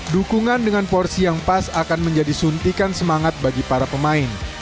dukungan dengan porsi yang pas akan menjadi suntikan semangat bagi para pemain